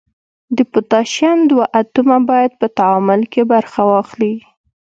د پوتاشیم دوه اتومه باید په تعامل کې برخه واخلي.